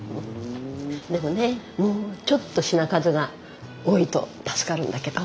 でもねもうちょっと品数が多いと助かるんだけど。